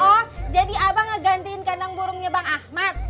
oh jadi abang ngegantiin kandang burungnya bang ahmad